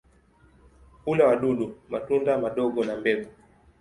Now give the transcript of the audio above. Hula wadudu, matunda madogo na mbegu.